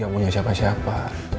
yang punya siapa siapa